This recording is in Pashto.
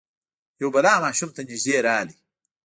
یو بلا ماشوم ته نژدې راغی.